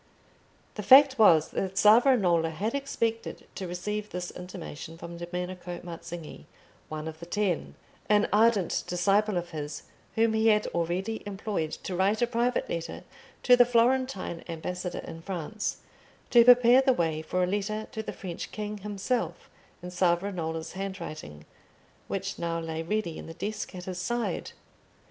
The fact was that Savonarola had expected to receive this intimation from Domenico Mazzinghi, one of the Ten, an ardent disciple of his whom he had already employed to write a private letter to the Florentine ambassador in France, to prepare the way for a letter to the French king himself in Savonarola's handwriting, which now lay ready in the desk at his side.